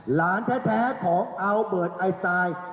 หลานแท้ของอัลเบิร์ตไอสไตล์